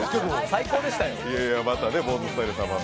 最高でしたよ。